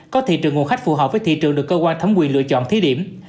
có thị trường nguồn khách phù hợp với thị trường được cơ quan thấm quyền lựa chọn thi điểm